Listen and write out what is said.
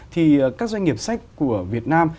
thì các doanh nghiệp sách của việt nam